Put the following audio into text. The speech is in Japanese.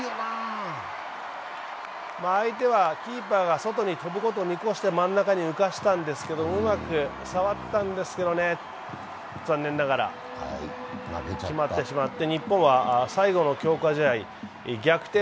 相手はキーパーが外に跳ぶことを見越して真ん中に浮かしたんですけれども、うまく触ったんですけどね残念ながら決まってしまって、日本は最後の強化試合逆転